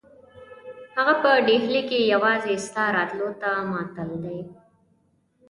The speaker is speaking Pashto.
هغه په ډهلي کې یوازې ستا راتلو ته معطل دی.